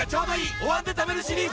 「お椀で食べるシリーズ」